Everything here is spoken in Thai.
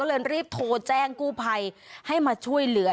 เลยรีบโทรแจ้งกู้ภัยให้มาช่วยเหลือ